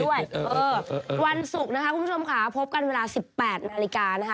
เออวันศุกร์นะคะคุณผู้ชมค่ะพบกันเวลา๑๘นาฬิกานะคะ